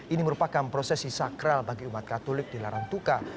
ini merupakan prosesi sakral bagi umat katolik di larantuka